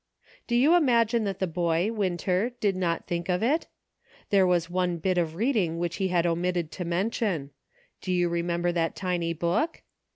Do you imagine that the boy. Winter, did not think of it ? There was one bit of reading which he had omitted to mention. Do you remember that tiny book